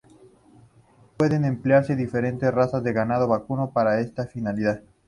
Pueden emplearse diferentes razas de ganado vacuno para esta finalidad.